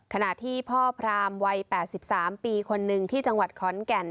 ขณะที่พ่อพรามวัย๘๓ปีคนหนึ่งที่จังหวัดขอนแก่น